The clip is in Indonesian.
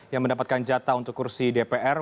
yang mendapatkan jatah untuk kursi dpr